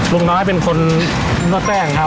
ลุงน้อยเป็นคนนวดแป้งครับ